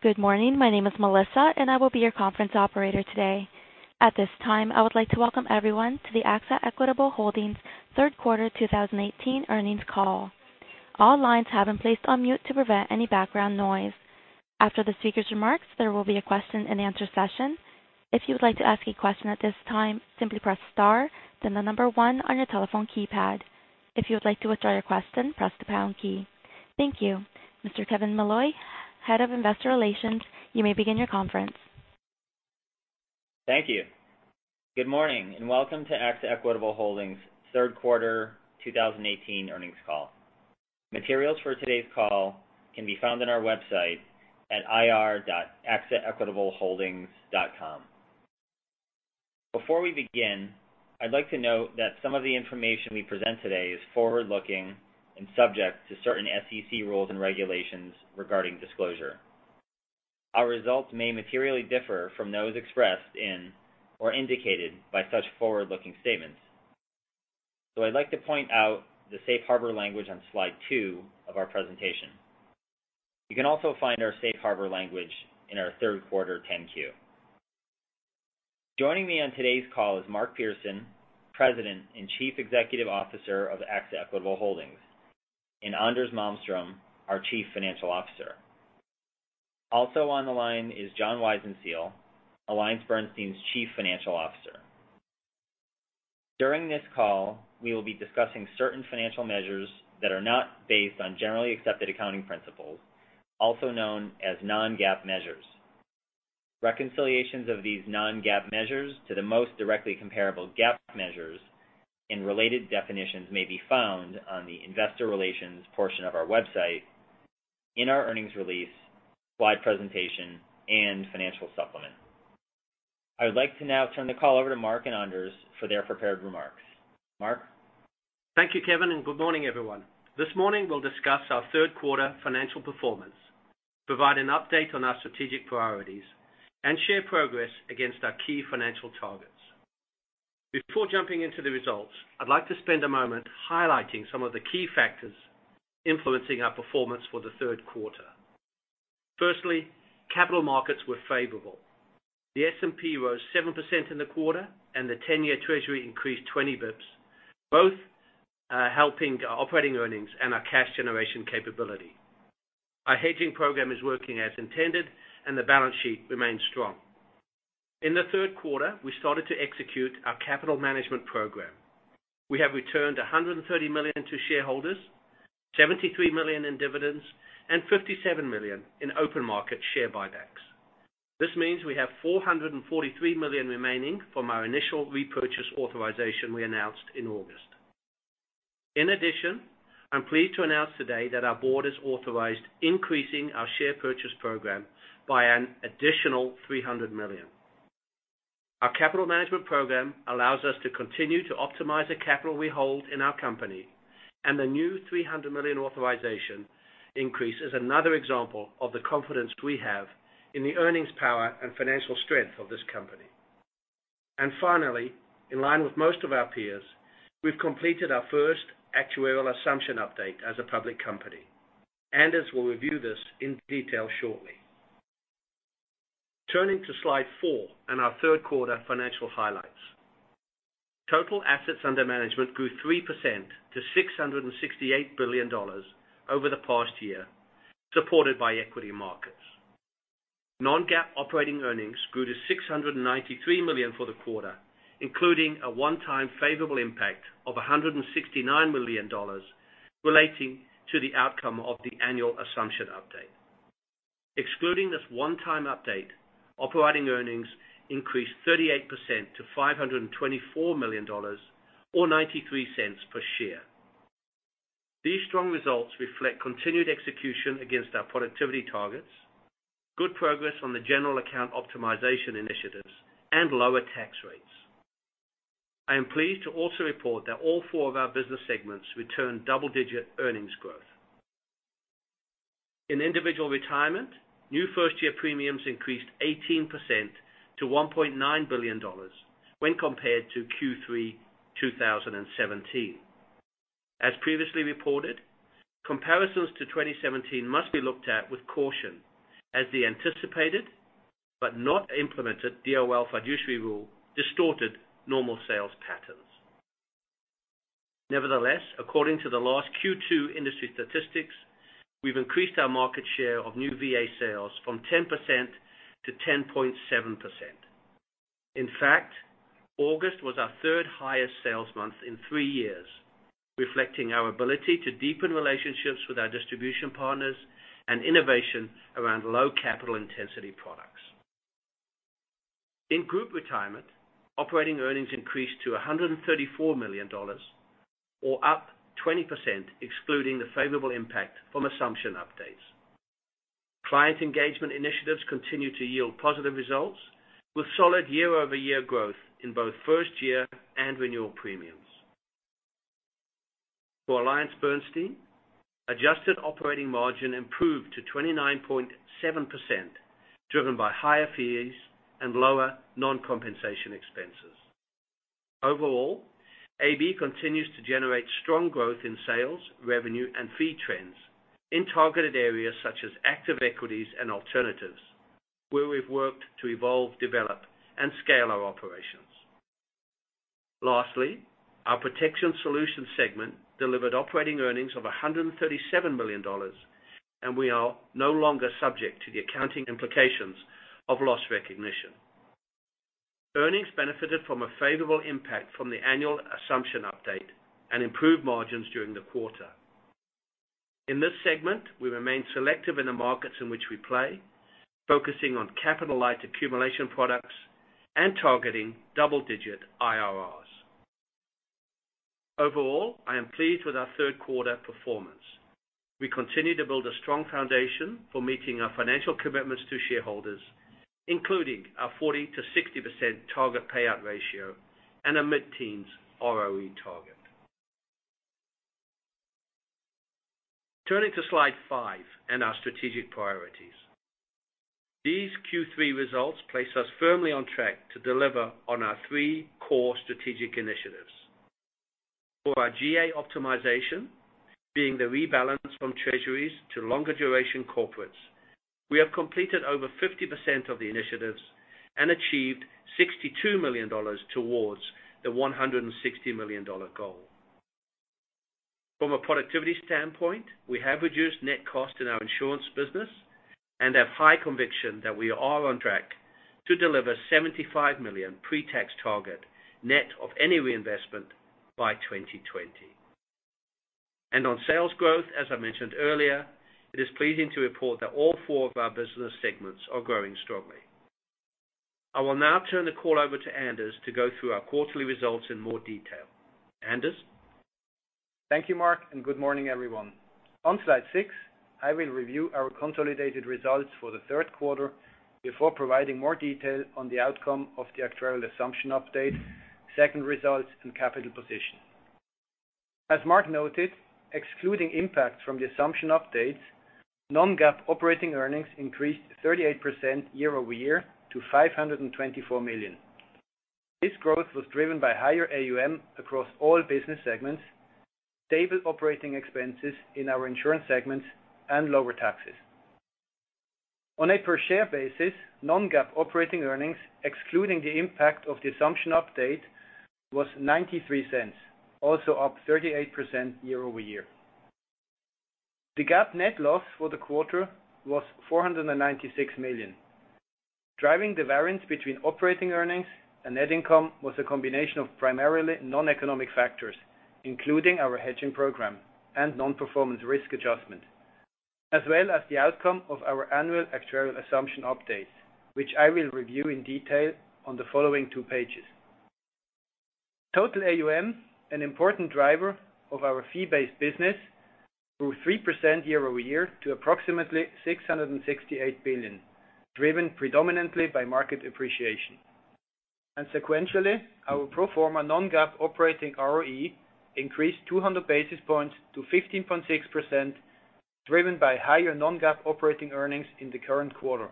Good morning. My name is Melissa. I will be your conference operator today. At this time, I would like to welcome everyone to the AXA Equitable Holdings third quarter 2018 earnings call. All lines have been placed on mute to prevent any background noise. After the speaker's remarks, there will be a question and answer session. If you would like to ask a question at this time, simply press star, then the number 1 on your telephone keypad. If you would like to withdraw your question, press the pound key. Thank you. Mr. Kevin Molloy, Head of Investor Relations, you may begin your conference. Thank you. Good morning. Welcome to AXA Equitable Holdings third quarter 2018 earnings call. Materials for today's call can be found on our website at ir.axaequitableholdings.com. Before we begin, I'd like to note that some of the information we present today is forward-looking and subject to certain SEC rules and regulations regarding disclosure. Our results may materially differ from those expressed in or indicated by such forward-looking statements. I'd like to point out the safe harbor language on slide two of our presentation. You can also find our safe harbor language in our third quarter 10-Q. Joining me on today's call is Mark Pearson, President and Chief Executive Officer of AXA Equitable Holdings, and Anders Malmström, our Chief Financial Officer. Also on the line is John Weisenseel, AllianceBernstein's Chief Financial Officer. During this call, we will be discussing certain financial measures that are not based on generally accepted accounting principles, also known as non-GAAP measures. Reconciliations of these non-GAAP measures to the most directly comparable GAAP measures and related definitions may be found on the investor relations portion of our website in our earnings release, slide presentation and financial supplement. I would like to now turn the call over to Mark and Anders for their prepared remarks. Mark? Thank you, Kevin. Good morning, everyone. This morning we'll discuss our third quarter financial performance, provide an update on our strategic priorities, and share progress against our key financial targets. Before jumping into the results, I'd like to spend a moment highlighting some of the key factors influencing our performance for the third quarter. Firstly, capital markets were favorable. The S&P rose 7% in the quarter, and the 10-year treasury increased 20 basis points, both helping our operating earnings and our cash generation capability. Our hedging program is working as intended, and the balance sheet remains strong. In the third quarter, we started to execute our capital management program. We have returned $130 million to shareholders, $73 million in dividends, and $57 million in open market share buybacks. This means we have $443 million remaining from our initial repurchase authorization we announced in August. I'm pleased to announce today that our board has authorized increasing our share purchase program by an additional $300 million. Our capital management program allows us to continue to optimize the capital we hold in our company, the new $300 million authorization increase is another example of the confidence we have in the earnings power and financial strength of this company. Finally, in line with most of our peers, we've completed our first actuarial assumption update as a public company. Anders will review this in detail shortly. Turning to slide four and our third quarter financial highlights. Total assets under management grew 3% to $668 billion over the past year, supported by equity markets. Non-GAAP operating earnings grew to $693 million for the quarter, including a one-time favorable impact of $169 million relating to the outcome of the annual assumption update. Excluding this one-time update, operating earnings increased 38% to $524 million or $0.93 per share. These strong results reflect continued execution against our productivity targets, good progress on the general account optimization initiatives, and lower tax rates. I am pleased to also report that all four of our business segments returned double-digit earnings growth. In Individual Retirement, new first-year premiums increased 18% to $1.9 billion when compared to Q3 2017. As previously reported, comparisons to 2017 must be looked at with caution as the anticipated but not implemented DOL fiduciary rule distorted normal sales patterns. Nevertheless, according to the last Q2 industry statistics, we've increased our market share of new VA sales from 10% to 10.7%. In fact, August was our third highest sales month in three years, reflecting our ability to deepen relationships with our distribution partners and innovation around low capital intensity products. In Group Retirement, operating earnings increased to $134 million or up 20% excluding the favorable impact from assumption updates. Client engagement initiatives continue to yield positive results with solid year-over-year growth in both first year and renewal premiums. For AllianceBernstein, adjusted operating margin improved to 29.7%, driven by higher fees and lower non-compensation expenses. Overall, AB continues to generate strong growth in sales, revenue, and fee trends in targeted areas such as active equities and alternatives, where we've worked to evolve, develop, and scale our operations. Lastly, our Protection Solutions segment delivered operating earnings of $137 million, we are no longer subject to the accounting implications of loss recognition. Earnings benefited from a favorable impact from the annual assumption update and improved margins during the quarter. In this segment, we remain selective in the markets in which we play, focusing on capital light accumulation products and targeting double-digit IRRs. Overall, I am pleased with our third quarter performance. We continue to build a strong foundation for meeting our financial commitments to shareholders, including our 40%-60% target payout ratio and a mid-teens ROE target. Turning to Slide 5 and our strategic priorities. These Q3 results place us firmly on track to deliver on our three core strategic initiatives. For our G&A optimization, being the rebalance from Treasuries to longer duration corporates, we have completed over 50% of the initiatives and achieved $62 million towards the $160 million goal. From a productivity standpoint, we have reduced net cost in our insurance business and have high conviction that we are on track to deliver $75 million pre-tax target net of any reinvestment by 2020. On sales growth, as I mentioned earlier, it is pleasing to report that all four of our business segments are growing strongly. I will now turn the call over to Anders to go through our quarterly results in more detail. Anders? Thank you, Mark, and good morning, everyone. On Slide 6, I will review our consolidated results for the third quarter before providing more detail on the outcome of the actuarial assumption update, second results, and capital position. As Mark noted, excluding impacts from the assumption updates, non-GAAP operating earnings increased 38% year-over-year to $524 million. This growth was driven by higher AUM across all business segments, stable operating expenses in our insurance segments, and lower taxes. On a per share basis, non-GAAP operating earnings, excluding the impact of the assumption update, was $0.93, also up 38% year-over-year. The GAAP net loss for the quarter was $496 million. Driving the variance between operating earnings and net income was a combination of primarily non-economic factors, including our hedging program and non-performance risk adjustment, as well as the outcome of our annual actuarial assumption updates, which I will review in detail on the following two pages. Total AUM, an important driver of our fee-based business, grew 3% year-over-year to approximately $668 billion, driven predominantly by market appreciation. Sequentially, our pro forma non-GAAP operating ROE increased 200 basis points to 15.6%, driven by higher non-GAAP operating earnings in the current quarter.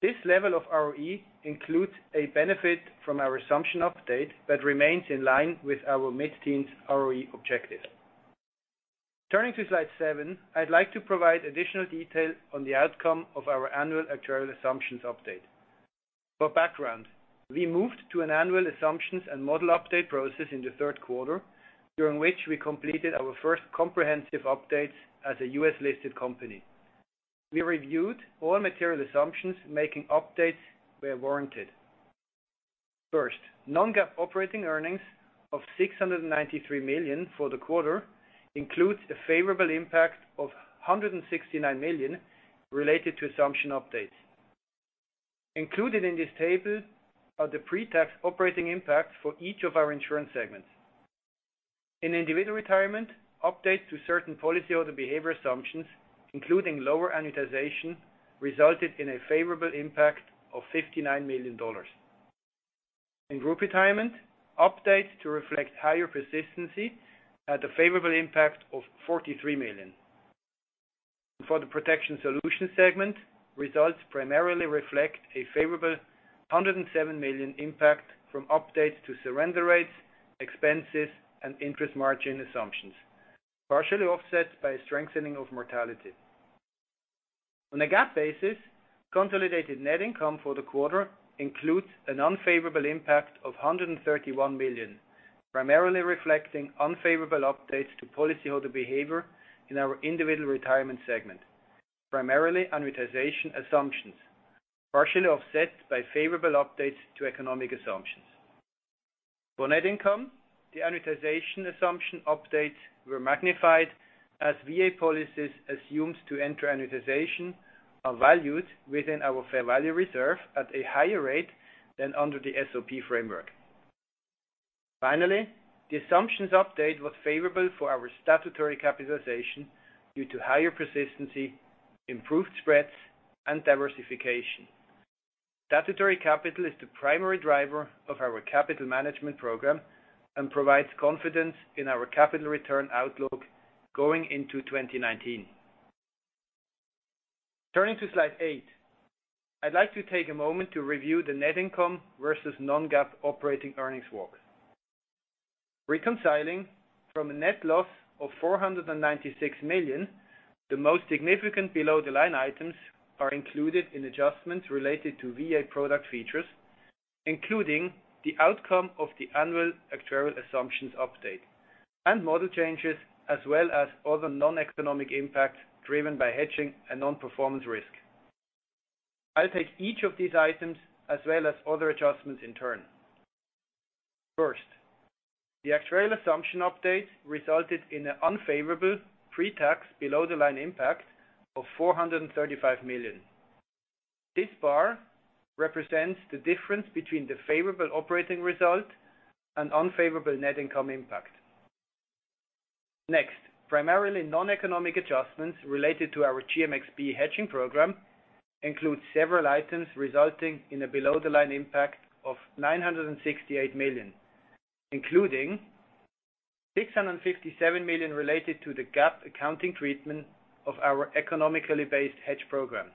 This level of ROE includes a benefit from our assumption update that remains in line with our mid-teens ROE objective. Turning to Slide seven, I'd like to provide additional detail on the outcome of our annual actuarial assumptions update. For background, we moved to an annual assumptions and model update process in the third quarter, during which we completed our first comprehensive updates as a U.S.-listed company. We reviewed all material assumptions, making updates where warranted. First, non-GAAP operating earnings of $693 million for the quarter includes a favorable impact of $169 million related to assumption updates. Included in this table are the pre-tax operating impact for each of our insurance segments. In Individual Retirement, updates to certain policyholder behavior assumptions, including lower annuitization, resulted in a favorable impact of $59 million. In Group Retirement, updates to reflect higher persistency had a favorable impact of $43 million. For the Protection Solutions segment, results primarily reflect a favorable $107 million impact from updates to surrender rates, expenses, and interest margin assumptions, partially offset by a strengthening of mortality. On a GAAP basis, consolidated net income for the quarter includes an unfavorable impact of $131 million, primarily reflecting unfavorable updates to policyholder behavior in our Individual Retirement segment, primarily annuitization assumptions, partially offset by favorable updates to economic assumptions. For net income, the annuitization assumption updates were magnified as VA policies assumed to enter annuitization are valued within our fair value reserve at a higher rate than under the SOP framework. Finally, the assumptions update was favorable for our statutory capitalization due to higher persistency, improved spreads, and diversification. Statutory capital is the primary driver of our capital management program and provides confidence in our capital return outlook going into 2019. Turning to slide eight. I'd like to take a moment to review the net income versus non-GAAP operating earnings walk. Reconciling from a net loss of $496 million, the most significant below-the-line items are included in adjustments related to VA product features, including the outcome of the annual actuarial assumptions update and model changes, as well as other non-economic impacts driven by hedging and non-performance risk. I'll take each of these items as well as other adjustments in turn. First, the actuarial assumption update resulted in an unfavorable pre-tax below-the-line impact of $435 million. This bar represents the difference between the favorable operating result and unfavorable net income impact. Next, primarily non-economic adjustments related to our GMXP hedging program include several items resulting in a below-the-line impact of $968 million, including $657 million related to the GAAP accounting treatment of our economically based hedge program.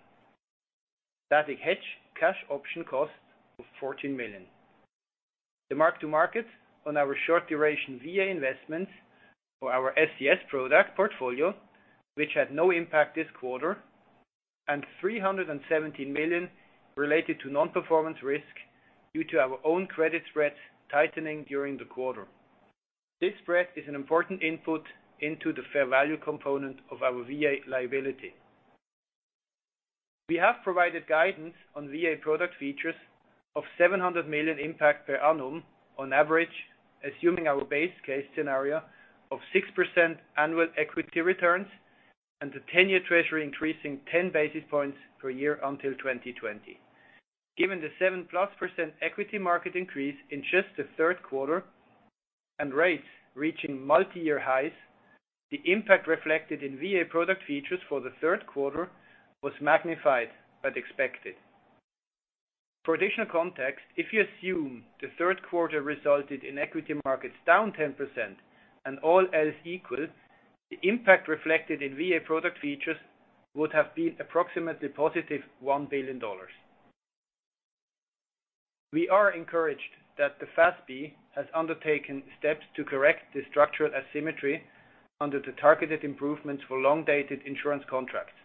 Static hedge cash option cost of $14 million. The mark-to-market on our short duration VA investments for our SCS product portfolio, which had no impact this quarter, and $317 million related to non-performance risk due to our own credit spreads tightening during the quarter. This spread is an important input into the fair value component of our VA liability. We have provided guidance on VA product features of $700 million impact per annum on average, assuming our base case scenario of 6% annual equity returns and the 10-year treasury increasing 10 basis points per year until 2020. Given the 7 plus percent equity market increase in just the third quarter and rates reaching multi-year highs, the impact reflected in VA product features for the third quarter was magnified but expected. For additional context, if you assume the third quarter resulted in equity markets down 10% and all else equal, the impact reflected in VA product features would have been approximately positive $1 billion. We are encouraged that the FASB has undertaken steps to correct the structural asymmetry under the targeted improvements for long-dated insurance contracts.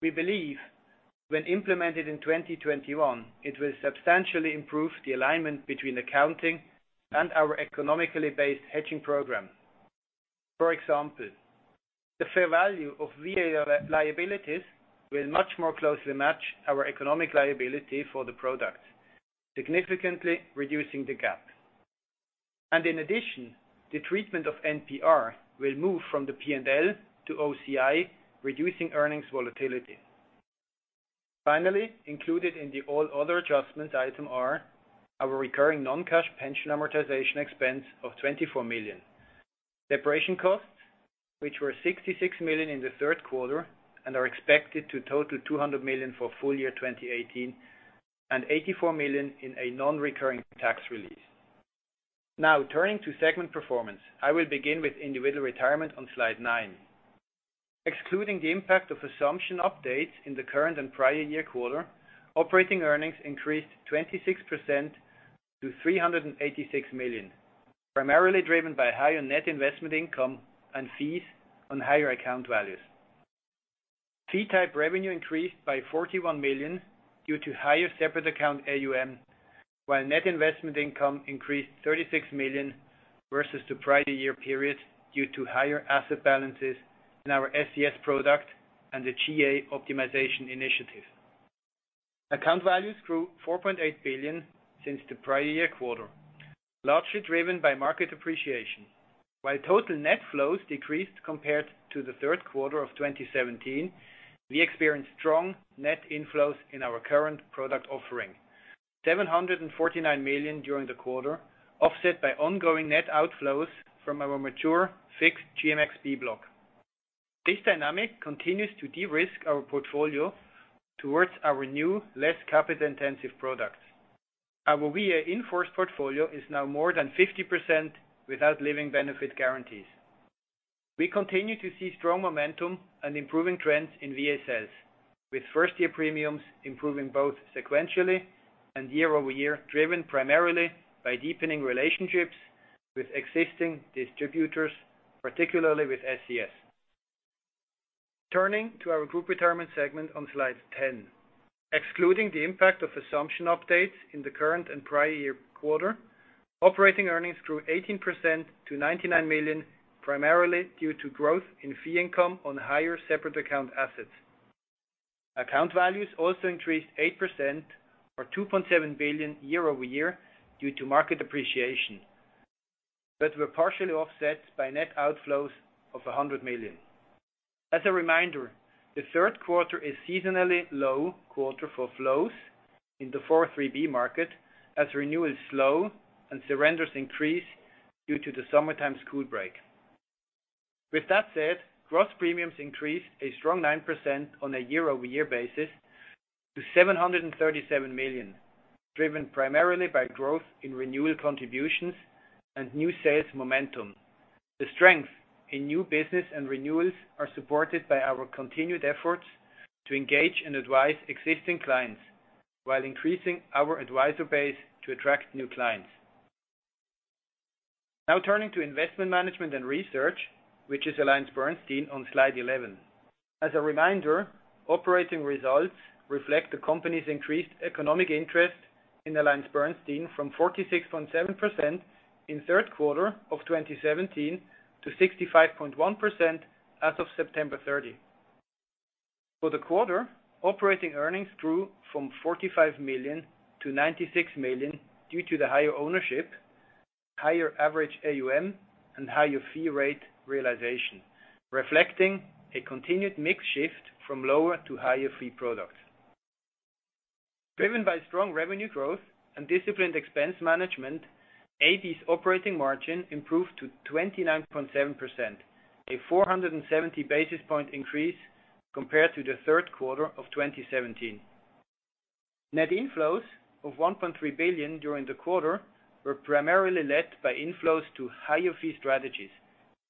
We believe when implemented in 2021, it will substantially improve the alignment between accounting and our economically based hedging program. For example, the fair value of VA liabilities will much more closely match our economic liability for the product, significantly reducing the GAAP. In addition, the treatment of NPR will move from the P&L to OCI, reducing earnings volatility. Finally, included in the all other adjustments item are our recurring non-cash pension amortization expense of $24 million. Separation costs, which were $66 million in the third quarter and are expected to total $200 million for full year 2018 and $84 million in a non-recurring tax release. Turning to segment performance. I will begin with Individual Retirement on slide nine. Excluding the impact of assumption updates in the current and prior year quarter, operating earnings increased 26% to $386 million, primarily driven by higher net investment income and fees on higher account values. Fee type revenue increased by $41 million due to higher separate account AUM, while net investment income increased $36 million versus the prior year period due to higher asset balances in our SCS product and the G&A optimization initiative. Account values grew $4.8 billion since the prior year quarter, largely driven by market appreciation. While total net flows decreased compared to the third quarter of 2017, we experienced strong net inflows in our current product offering, $749 million during the quarter, offset by ongoing net outflows from our mature fixed GMXP block. This dynamic continues to de-risk our portfolio towards our new, less capital-intensive products. Our VA in-force portfolio is now more than 50% without living benefit guarantees. We continue to see strong momentum and improving trends in VSLs, with first-year premiums improving both sequentially and year-over-year, driven primarily by deepening relationships with existing distributors, particularly with SCS. Turning to our Group Retirement segment on slide 10. Excluding the impact of assumption updates in the current and prior year quarter, operating earnings grew 18% to $99 million, primarily due to growth in fee income on higher separate account assets. Account values also increased 8% or $2.7 billion year-over-year due to market appreciation, but were partially offset by net outflows of $100 million. As a reminder, the third quarter is seasonally low quarter for flows in the 403(b) market as renewal is slow and surrenders increase due to the summertime school break. Gross premiums increased a strong 9% on a year-over-year basis to $737 million, driven primarily by growth in renewal contributions and new sales momentum. The strength in new business and renewals are supported by our continued efforts to engage and advise existing clients, while increasing our advisor base to attract new clients. Turning to Investment Management and Research, which is AllianceBernstein on slide 11. As a reminder, operating results reflect the company's increased economic interest in AllianceBernstein from 46.7% in third quarter of 2017 to 65.1% as of September 30. For the quarter, operating earnings grew from $45 million to $96 million due to the higher ownership, higher average AUM, and higher fee rate realization, reflecting a continued mix shift from lower to higher fee products. Driven by strong revenue growth and disciplined expense management, AB's operating margin improved to 29.7%, a 470 basis point increase compared to the third quarter of 2017. Net inflows of $1.3 billion during the quarter were primarily led by inflows to higher fee strategies,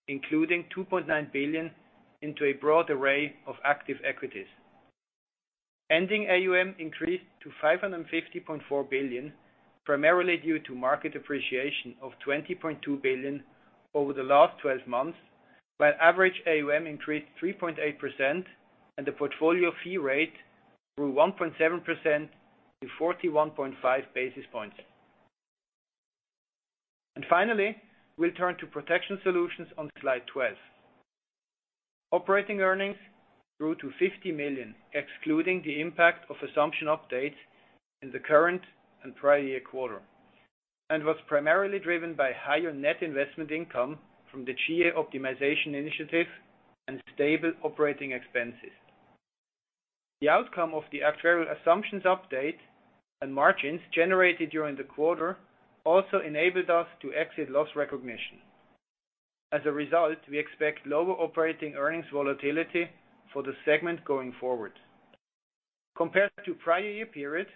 including $2.9 billion into a broad array of active equities. Ending AUM increased to $550.4 billion, primarily due to market appreciation of $20.2 billion over the last 12 months, while average AUM increased 3.8% and the portfolio fee rate grew 1.7% to 41.5 basis points. Finally, we'll turn to Protection Solutions on slide 12. Operating earnings grew to $50 million, excluding the impact of assumption updates in the current and prior year quarter, and was primarily driven by higher net investment income from the G&A optimization initiative and stable operating expenses. The outcome of the actuarial assumptions update and margins generated during the quarter also enabled us to exit loss recognition. As a result, we expect lower operating earnings volatility for the segment going forward. Compared to prior year period,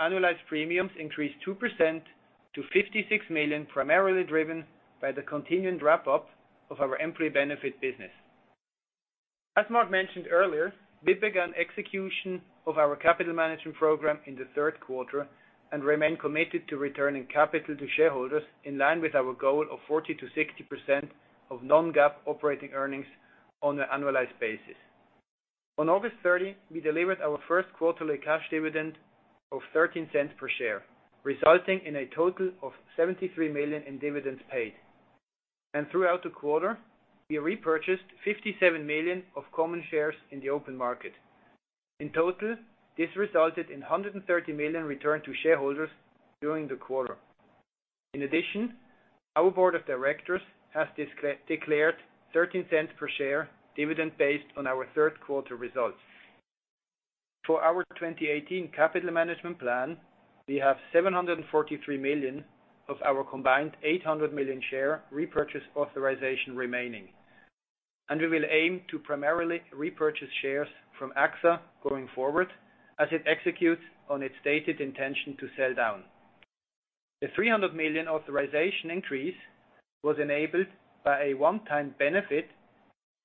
annualized premiums increased 2% to $56 million, primarily driven by the continuing ramp-up of our employee benefit business. As Mark mentioned earlier, we began execution of our capital management program in the third quarter and remain committed to returning capital to shareholders in line with our goal of 40%-60% of non-GAAP operating earnings on an annualized basis. On August 30, we delivered our first quarterly cash dividend of $0.13 per share, resulting in a total of $73 million in dividends paid. Throughout the quarter, we repurchased $57 million of common shares in the open market. In total, this resulted in $130 million returned to shareholders during the quarter. In addition, our board of directors has declared $0.13 per share dividend based on our third quarter results. For our 2018 capital management plan, we have $743 million of our combined $800 million share repurchase authorization remaining, and we will aim to primarily repurchase shares from AXA going forward as it executes on its stated intention to sell down. The $300 million authorization increase was enabled by a one-time benefit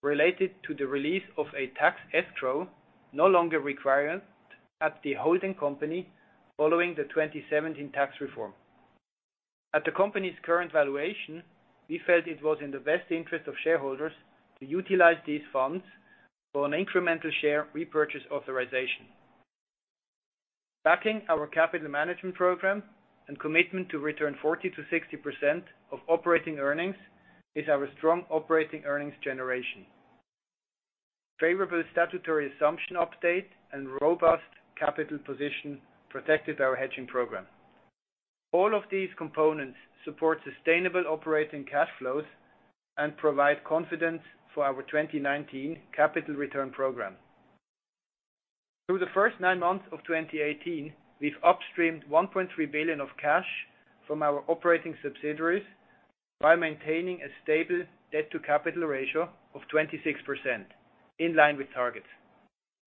related to the release of a tax escrow no longer required at the holding company following the 2017 tax reform. At the company's current valuation, we felt it was in the best interest of shareholders to utilize these funds for an incremental share repurchase authorization. Backing our capital management program and commitment to return 40%-60% of operating earnings is our strong operating earnings generation. Favorable statutory assumption update and robust capital position protected our hedging program. All of these components support sustainable operating cash flows and provide confidence for our 2019 capital return program. Through the first nine months of 2018, we've upstreamed $1.3 billion of cash from our operating subsidiaries while maintaining a stable debt to capital ratio of 26%, in line with targets.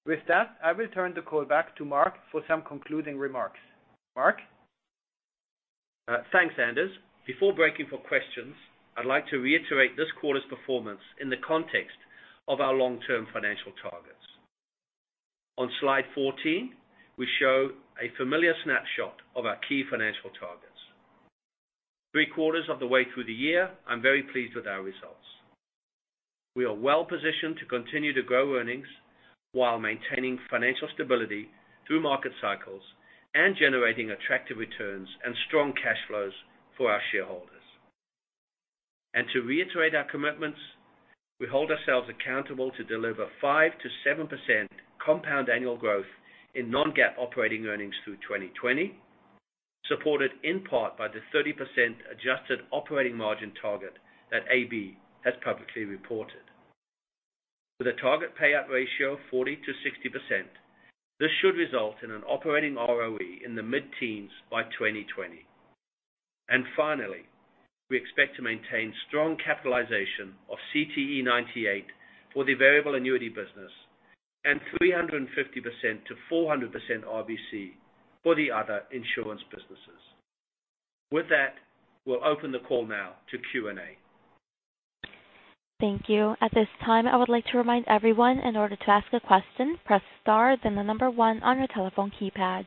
With that, I will turn the call back to Mark for some concluding remarks. Mark? Thanks, Anders. Before breaking for questions, I'd like to reiterate this quarter's performance in the context of our long-term financial targets. On Slide 14, we show a familiar snapshot of our key financial targets. Three quarters of the way through the year, I'm very pleased with our results. We are well positioned to continue to grow earnings while maintaining financial stability through market cycles and generating attractive returns and strong cash flows for our shareholders. To reiterate our commitments, we hold ourselves accountable to deliver 5%-7% compound annual growth in non-GAAP operating earnings through 2020, supported in part by the 30% adjusted operating margin target that AB has publicly reported. With a target payout ratio of 40%-60%, this should result in an operating ROE in the mid-teens by 2020. Finally, we expect to maintain strong capitalization of CTE 98 for the variable annuity business and 350%-400% RBC for the other insurance businesses. With that, we'll open the call now to Q&A. Thank you. At this time, I would like to remind everyone, in order to ask a question, press star, then number 1 on your telephone keypad.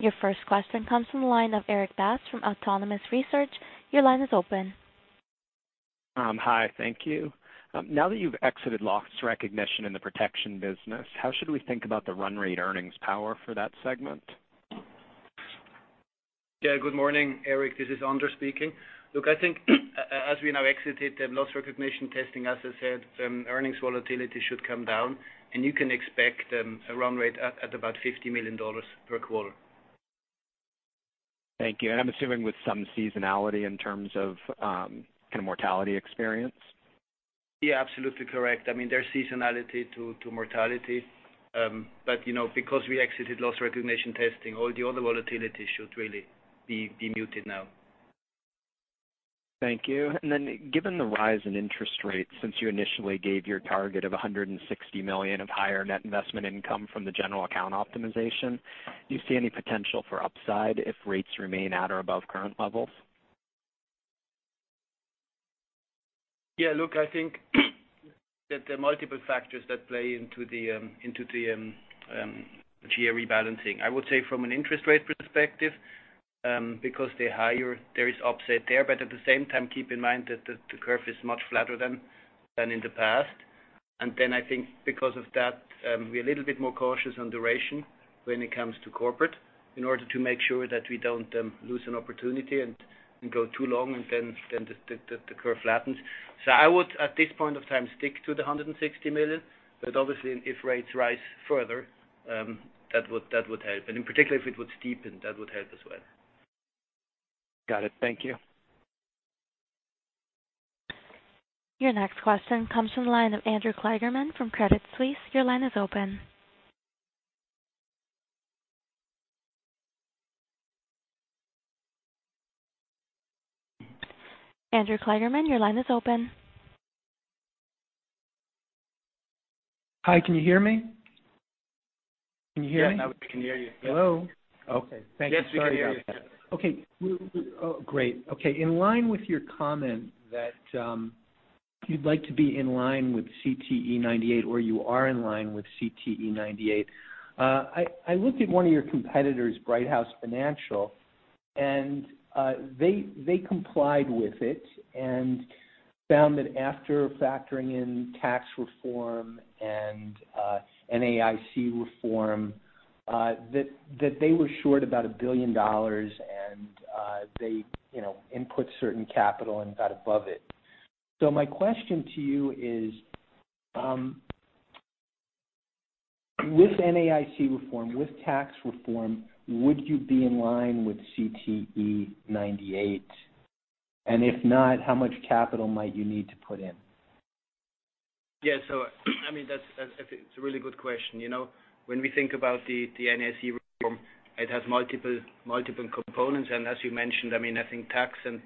Your first question comes from the line of Erik Bass from Autonomous Research. Your line is open. Hi. Thank you. Now that you've exited loss recognition in the protection business, how should we think about the run rate earnings power for that segment? Yeah. Good morning, Erik. This is Anders speaking. Look, I think as we now exited the loss recognition testing, as I said, earnings volatility should come down, and you can expect a run rate at about $50 million per quarter. Thank you. I'm assuming with some seasonality in terms of mortality experience? Yeah, absolutely correct. There's seasonality to mortality. Because we exited loss recognition testing, all the other volatility should really be muted now. Thank you. Given the rise in interest rates, since you initially gave your target of $160 million of higher net investment income from the general account optimization, do you see any potential for upside if rates remain at or above current levels? Yeah. Look, I think that there are multiple factors that play into the year rebalancing. I would say from an interest rate perspective, because they're higher, there is upside there. At the same time, keep in mind that the curve is much flatter than in the past. I think because of that, we're a little bit more cautious on duration when it comes to corporate in order to make sure that we don't lose an opportunity and go too long, the curve flattens. I would, at this point of time, stick to the $160 million, but obviously, if rates rise further, that would help. Particularly, if it would steepen, that would help as well. Got it. Thank you. Your next question comes from the line of Andrew Kligerman from Credit Suisse. Your line is open. Andrew Kligerman, your line is open. Hi, can you hear me? Yeah. Now we can hear you. Yes. Hello? Okay, thank you. Yes, we can hear you. Okay, great. Okay. In line with your comment that you'd like to be in line with CTE 98, or you are in line with CTE 98, I looked at one of your competitors, Brighthouse Financial, and they complied with it and found that after factoring in tax reform and NAIC reform, that they were short about $1 billion and they input certain capital and got above it. My question to you is, with NAIC reform, with tax reform, would you be in line with CTE 98? If not, how much capital might you need to put in? Yeah. I think it's a really good question. When we think about the NAIC reform, it has multiple components, and as you mentioned, I think tax is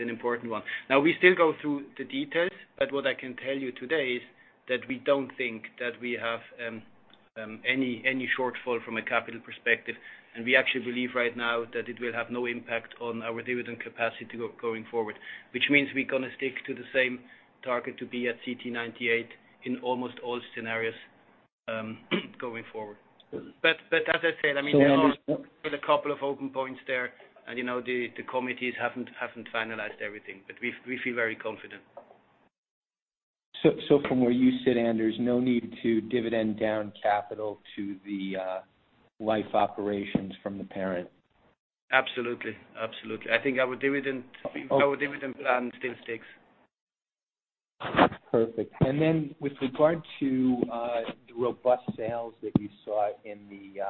an important one. Now, we still go through the details, but what I can tell you today is that we don't think that we have any shortfall from a capital perspective. We actually believe right now that it will have no impact on our dividend capacity going forward, which means we're going to stick to the same target to be at CTE 98 in almost all scenarios going forward. As I said, there are a couple of open points there, and the committees haven't finalized everything. We feel very confident. From where you sit, Anders, no need to dividend down capital to the life operations from the parent. Absolutely. I think our dividend plan still sticks. Perfect. With regard to the robust sales that you saw in the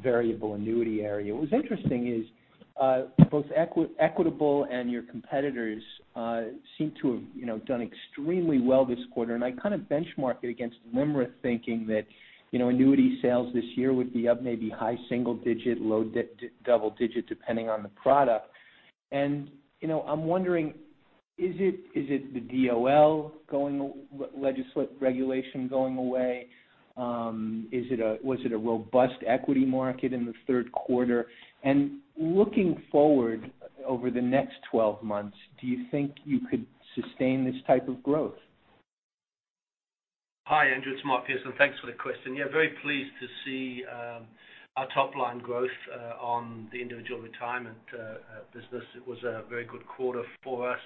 variable annuity area, what's interesting is both Equitable and your competitors seem to have done extremely well this quarter. I kind of benchmark it against LIMRA thinking that annuity sales this year would be up maybe high single digit, low double digit, depending on the product. I'm wondering, is it the DOL regulation going away? Was it a robust equity market in the third quarter? Looking forward over the next 12 months, do you think you could sustain this type of growth? Hi, Andrew. It's Mark Pearson. Thanks for the question. Yeah, very pleased to see our top-line growth on the Individual Retirement business. It was a very good quarter for us.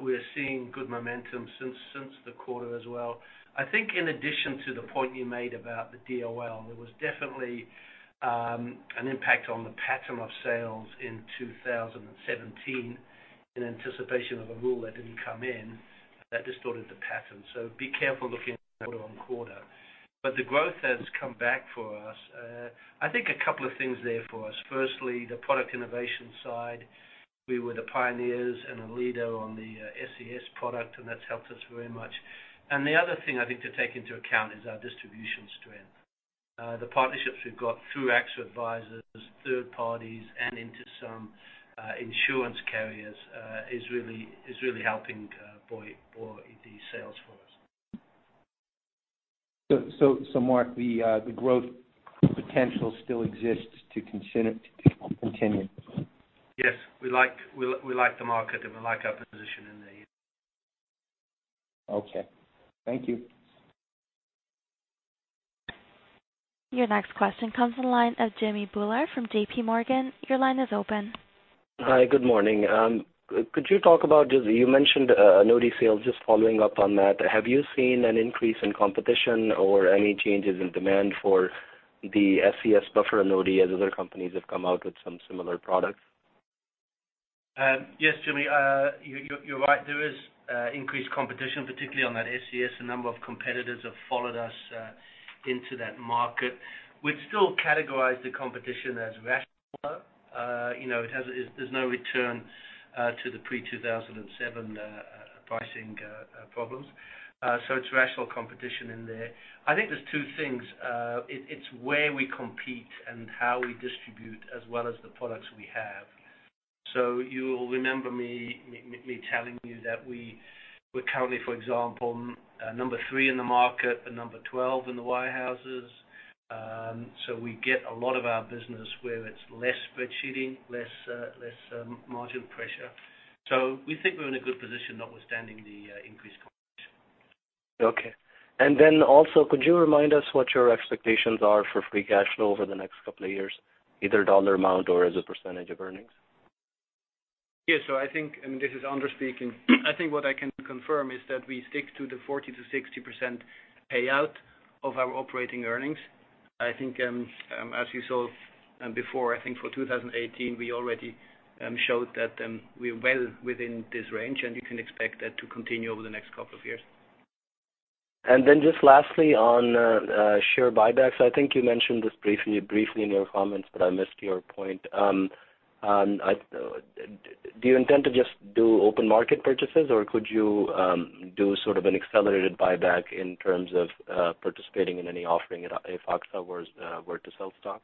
We're seeing good momentum since the quarter as well. I think in addition to the point you made about the DOL, there was definitely an impact on the pattern of sales in 2017 in anticipation of a rule that didn't come in that distorted the pattern. Be careful looking quarter on quarter. The growth has come back for us. I think a couple of things there for us. Firstly, the product innovation side. We were the pioneers and a leader on the SCS product, that's helped us very much. The other thing I think to take into account is our distribution strength. The partnerships we've got through AXA Advisors, third parties, and into some insurance carriers is really helping buoy the sales force. Mark, the growth potential still exists to continue? Yes. We like the market, and we like our position in there. Okay. Thank you. Your next question comes from the line of Jimmy Bhullar from J.P. Morgan. Your line is open. Hi, good morning. You mentioned annuity sales. Just following up on that, have you seen an increase in competition or any changes in demand for the SCS buffer annuity as other companies have come out with some similar products? Yes, Jimmy, you're right. There is increased competition, particularly on that SCS. A number of competitors have followed us into that market. We'd still categorize the competition as rational. There's no return to the pre-2007 pricing problems. It's rational competition in there. I think there's two things. It's where we compete and how we distribute as well as the products we have. You'll remember me telling you that we're currently, for example, number 3 in the market and number 12 in the wirehouses. We get a lot of our business where it's less spreadsheeting, less margin pressure. We think we're in a good position notwithstanding the increased competition. Okay. Also, could you remind us what your expectations are for free cash flow over the next couple of years, either dollar amount or as a percentage of earnings? Yes. I think, and this is Anders speaking, I think what I can confirm is that we stick to the 40%-60% payout of our operating earnings. I think as you saw before, I think for 2018, we already showed that we are well within this range, and you can expect that to continue over the next couple of years. Just lastly on share buybacks. I think you mentioned this briefly in your comments, but I missed your point. Do you intend to just do open market purchases, or could you do sort of an accelerated buyback in terms of participating in any offering if AXA were to sell stock?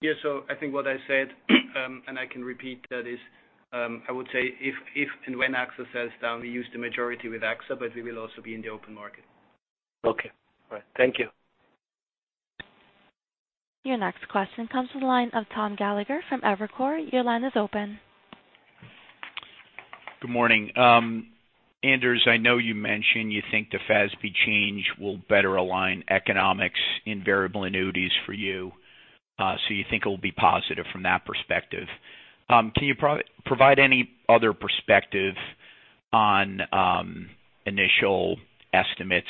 Yeah. I think what I said, and I can repeat that is, I would say if and when AXA sells down, we use the majority with AXA, but we will also be in the open market. Okay. All right. Thank you. Your next question comes from the line of Tom Gallagher from Evercore. Your line is open. Good morning. Anders, I know you mentioned you think the FASB change will better align economics in variable annuities for you. You think it will be positive from that perspective. Can you provide any other perspective on initial estimates,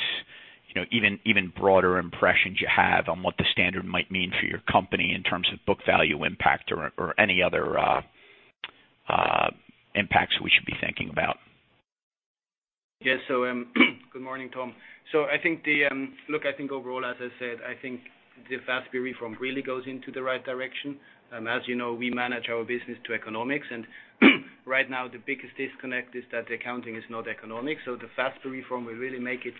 even broader impressions you have on what the standard might mean for your company in terms of book value impact or any other impacts we should be thinking about? Yes. Good morning, Tom. I think overall, as I said, I think the FASB reform really goes into the right direction. As you know, we manage our business to economics, and right now the biggest disconnect is that accounting is not economic. The FASB reform will really make it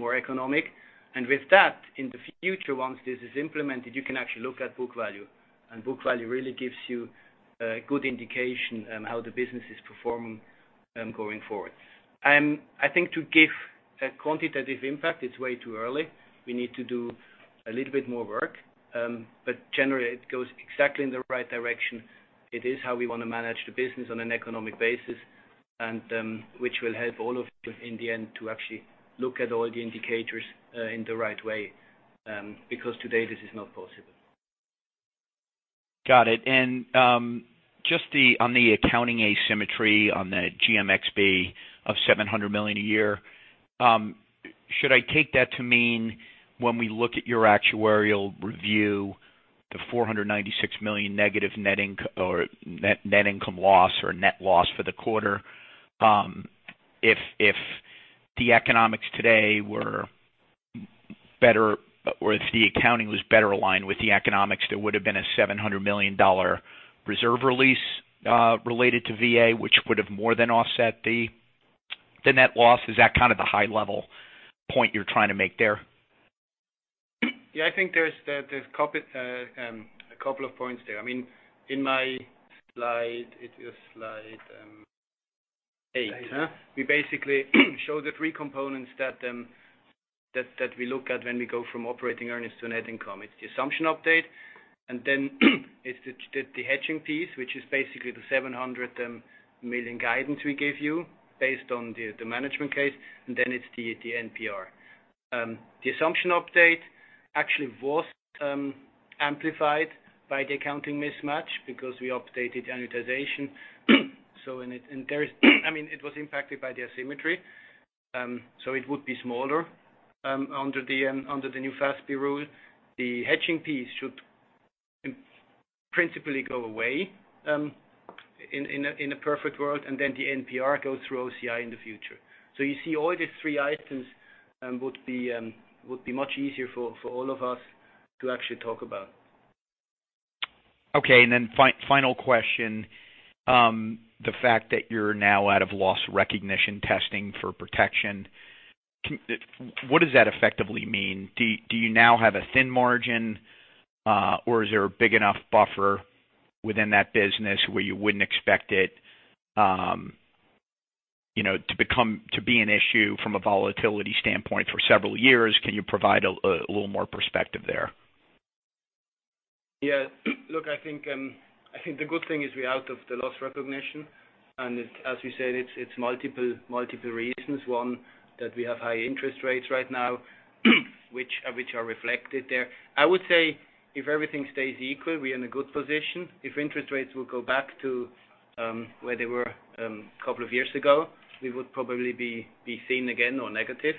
more economic. With that, in the future, once this is implemented, you can actually look at book value. Book value really gives you a good indication how the business is performing going forward. I think to give a quantitative impact, it's way too early. We need to do a little bit more work. Generally, it goes exactly in the right direction. It is how we want to manage the business on an economic basis, which will help all of you in the end to actually look at all the indicators in the right way. Because today, this is not possible. Got it. Just on the accounting asymmetry on the GMXP of $700 million a year, should I take that to mean when we look at your actuarial review, the $496 million negative net income loss or net loss for the quarter, if the economics today were better, or if the accounting was better aligned with the economics, there would have been a $700 million reserve release related to VA, which would have more than offset the net loss. Is that kind of the high-level point you're trying to make there? Yeah, I think there's a couple of points there. In my slide, it is slide eight. We basically show the three components that we look at when we go from operating earnings to net income. It's the assumption update, then it's the hedging piece, which is basically the $700 million guidance we gave you based on the management case, then it's the NPR. The assumption update actually was amplified by the accounting mismatch because we updated annuitization. It was impacted by the asymmetry. It would be smaller under the new FASB rule. The hedging piece should principally go away in a perfect world, then the NPR goes through OCI in the future. You see all these three items would be much easier for all of us to actually talk about. Okay, final question. The fact that you're now out of loss recognition testing for protection, what does that effectively mean? Do you now have a thin margin, or is there a big enough buffer within that business where you wouldn't expect it to be an issue from a volatility standpoint for several years? Can you provide a little more perspective there? Yeah. Look, I think the good thing is we're out of the loss recognition, as we said, it's multiple reasons. One, that we have high interest rates right now, which are reflected there. I would say if everything stays equal, we are in a good position. If interest rates will go back to where they were couple of years ago, we would probably be thin again or negative.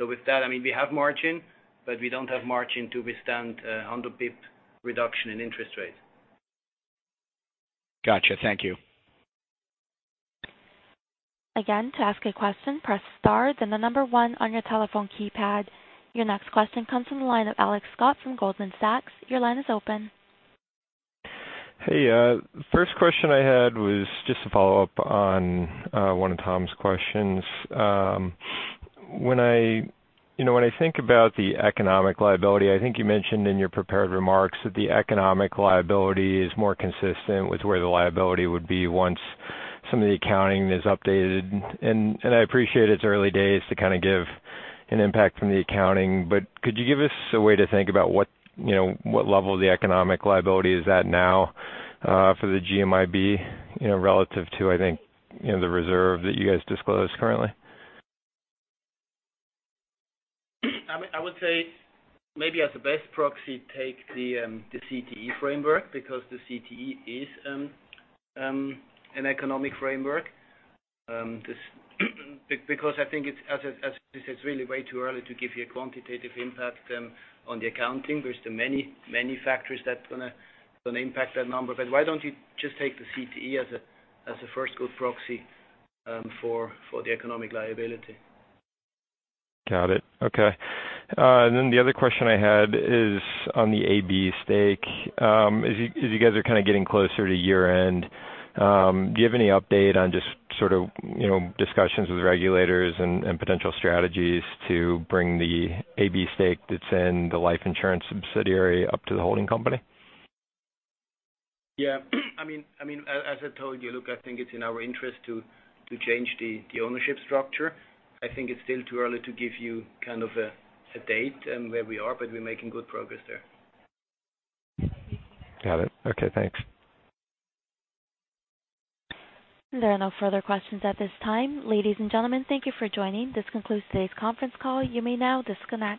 With that, we have margin, but we don't have margin to withstand 100 pip reduction in interest rates. Got you. Thank you. To ask a question, press star then the number 1 on your telephone keypad. Your next question comes from the line of Alex Scott from Goldman Sachs. Your line is open. Hey. First question I had was just a follow-up on one of Tom's questions. When I think about the economic liability, I think you mentioned in your prepared remarks that the economic liability is more consistent with where the liability would be once some of the accounting is updated. I appreciate it's early days to give an impact from the accounting, but could you give us a way to think about what level the economic liability is at now for the GMIB, relative to, I think, the reserve that you guys disclose currently? I would say maybe as the best proxy take the CTE framework, the CTE is an economic framework. I think it's, as I said, it's really way too early to give you a quantitative impact on the accounting. There's many factors that's going to impact that number. Why don't you just take the CTE as a first good proxy for the economic liability? Got it. Okay. The other question I had is on the AB stake. As you guys are getting closer to year-end, do you have any update on just sort of discussions with regulators and potential strategies to bring the AB stake that's in the life insurance subsidiary up to the holding company? Yeah. As I told you, look, I think it's in our interest to change the ownership structure. I think it's still too early to give you a date and where we are, but we're making good progress there. Got it. Okay, thanks. There are no further questions at this time. Ladies and gentlemen, thank you for joining. This concludes today's conference call. You may now disconnect.